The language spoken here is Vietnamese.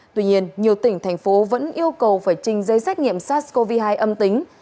tuy nhiên nhiều tỉnh thành phố vẫn yêu cầu phải trình giấy xét nghiệm sars cov hai âm tính